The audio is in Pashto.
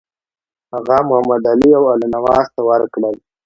هغه محمدعلي او الله نواز ته ورکړل.